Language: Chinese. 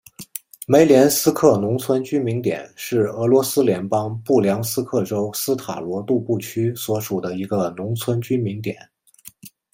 梅连斯克农村居民点是俄罗斯联邦布良斯克州斯塔罗杜布区所属的一个农村居民点。